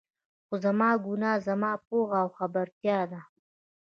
خو زما ګناه، زما پوهه او خبرتيا ده.